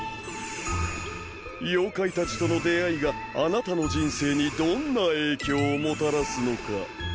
妖怪たちとの出会いがあなたの人生にどんな影響をもたらすのか。